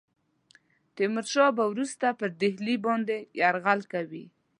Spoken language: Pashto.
تیمور شاه به وروسته پر ډهلي باندي یرغل کوي.